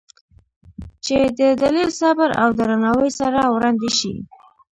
چې د دلیل، صبر او درناوي سره وړاندې شي،